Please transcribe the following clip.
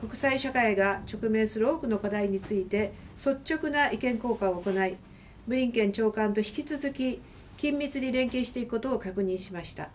国際社会が直面する多くの課題について、率直な意見交換を行い、ブリンケン長官と引き続き緊密に連携していくことを確認しました。